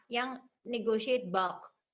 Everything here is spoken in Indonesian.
yang negosiasi bulk